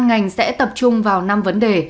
các ngành sẽ tập trung vào năm vấn đề